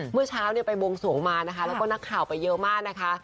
เมื่อเช้าเนี่ยไปบวงสวงมานะคะแล้วก็นักข่าวไปเยอะมากนะคะ